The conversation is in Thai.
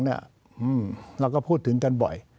เราก็พูดถึงกันบ่อย